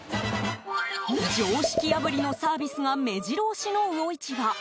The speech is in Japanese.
常識破りのサービスが目白押しの魚市場。